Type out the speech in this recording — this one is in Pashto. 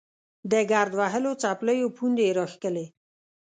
د ګرد وهلو څپلیو پوندې یې راښکلې.